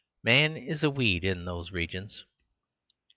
"Man is a weed in those regions."